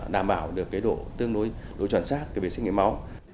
đảm bảo được độ chuẩn xác về xét nghiệm máu